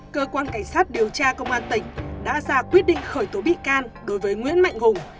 cơ quan cảnh sát điều tra công an tỉnh đã ra quyết định khởi tố bị can đối với nguyễn mạnh hùng